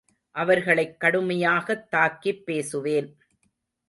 அவர்களைக் கடுமையாகத் தாக்கிப் பேசுவேன்.